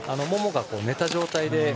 ももが寝た状態で。